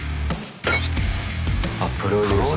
あっプロデューサー。